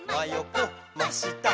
こっましたっ」